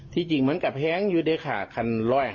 จริงเหมือนกับแห้งอยู่ด้วยค่ะคัน๑๕๐